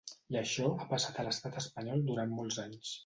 I això ha passat a l’estat espanyol durant molts anys.